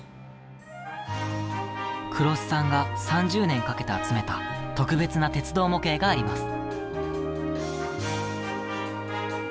黒須さんが３０年かけて集めた特別な鉄道模型があります。